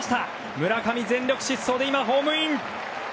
村上、全力疾走でホームイン。